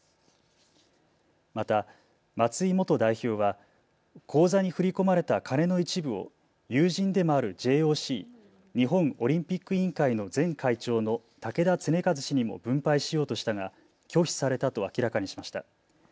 また松井元代表は口座に振り込まれた金の一部を友人でもあるＪＯＣ・日本オリンピック委員会の前会長の竹田恒和氏にも分配しようとしたが拒否されたと明らかにしました。